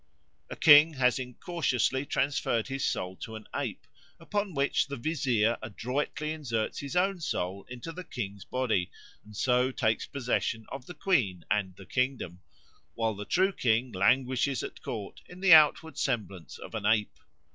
A king has incautiously transferred his soul to an ape, upon which the vizier adroitly inserts his own soul into the king's body and so takes possession of the queen and the kingdom, while the true king languishes at court in the outward semblance of an ape.